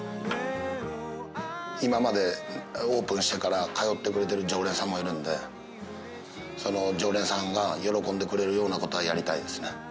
今まで、オープンしてから通ってくれてる常連さんもいるんで、その常連さんが喜んでくれるようなことはやりたいですね。